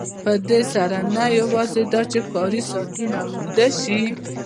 په دې سره نه یوازې دا چې کاري ساعتونه اوږده شي